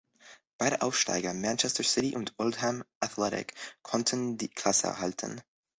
Beide Aufsteiger Manchester City und Oldham Athletic konnten die Klasse erhalten.